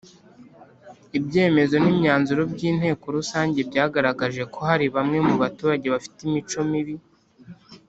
ibyemezo n imyanzuro by Inteko Rusange byagaragaje ko hari bamwe mu baturage bafite imico mibi